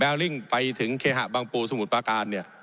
ผมอภิปรายเรื่องการขยายสมภาษณ์รถไฟฟ้าสายสีเขียวนะครับ